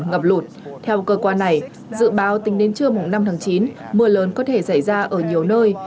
ngập lụt theo cơ quan này dự báo tính đến trưa năm tháng chín mưa lớn có thể xảy ra ở nhiều nơi